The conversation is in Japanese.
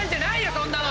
そんなの。